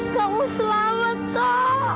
kamu selamat tok